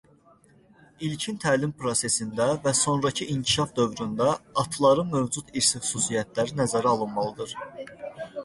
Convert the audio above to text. İlkin təlim prosesində və sonrakı inkişaf dövründə atların mövcud irsi xüsusiyyətləri nəzərə alınmalıdır.